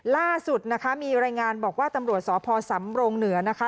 ล่าสุดนะคะมีรายงานบอกว่าตำรวจสพสำรงเหนือนะคะ